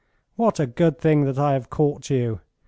"What a good thing that I have caught you.